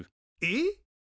えっ？